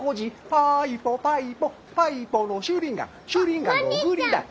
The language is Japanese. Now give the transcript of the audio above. パイポパイポパイポのシューリンガンシューリンガンのグーリンダイ。